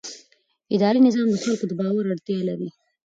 اداري نظام د خلکو د باور اړتیا لري.